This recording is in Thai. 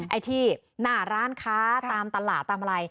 ไอ้ที่หน้าร้านค้าตามตลาดตามอะไร